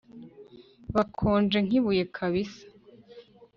bakonje nkibuye kabisa